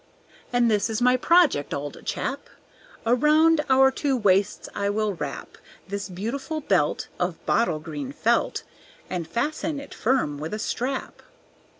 "And this is my project, old chap, Around our two waists I will wrap This beautiful belt Of bottle green felt And fasten it firm with a strap."